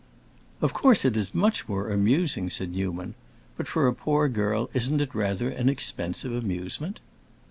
"Of course it is much more amusing," said Newman. "But for a poor girl isn't it rather an expensive amusement?"